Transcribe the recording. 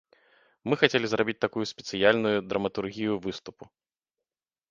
Мы хацелі зрабіць такую спецыяльную драматургію выступу.